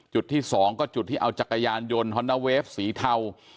จุดที่๒ก็จุดที่เอาจักรยานยนต์ฮอนนาเวฟสีเทา